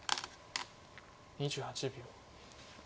２８秒。